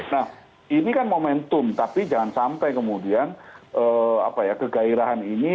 nah ini kan momentum tapi jangan sampai kemudian kegairahan ini